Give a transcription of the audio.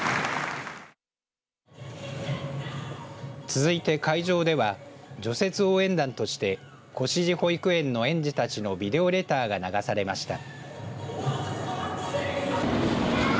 続いて会場では除雪応援団としてこしじ保育園の園児たちのビデオレターが流されました。